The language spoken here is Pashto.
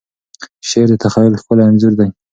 شعر د تخیل ښکلی انځور دی.